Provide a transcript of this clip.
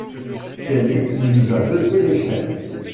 C’est lui qui nous a jeté l’échelle